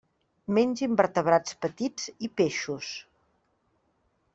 Menja invertebrats petits i peixos.